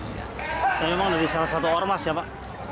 ini memang dari salah satu ormas ya pak